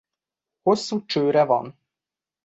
Hosszú csőre van.